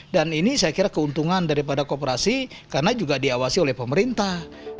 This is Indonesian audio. dan ini saya kira keuntungan dari pada koperasi karena juga diawasi oleh pemerintah